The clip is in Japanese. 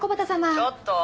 ちょっと。